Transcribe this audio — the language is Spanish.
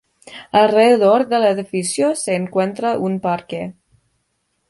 Alrededor del edificio se encuentra un parque.